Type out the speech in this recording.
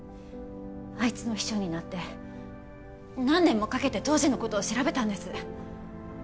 あいつの秘書になって何年もかけて当時のことを調べたんです